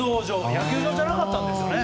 野球場じゃなかったんですよね。